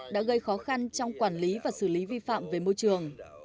đã gây khó khăn trong quản lý và xử lý vi phạm về môi trường